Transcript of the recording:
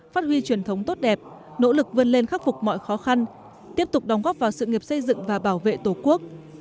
phát huy truyền thống tốt đẹp nỗ lực vươn lên khắc phục mọi khó khăn tiếp tục đóng góp vào sự nghiệp xây dựng và bảo vệ tổ quốc